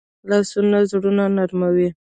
لاسونه زړونه نرموي